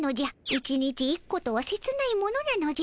１日１個とはせつないものなのじゃ。